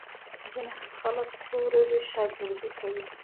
ځینې خلک څو ورځې شاګردي کوي.